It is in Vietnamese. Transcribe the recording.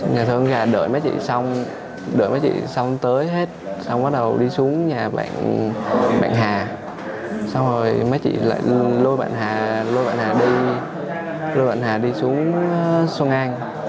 nhà thương gà đợi mấy chị xong đợi mấy chị xong tới hết xong bắt đầu đi xuống nhà bạn hà xong rồi mấy chị lại lôi bạn hà đi xuống xuân an